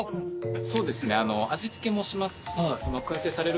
そうですね。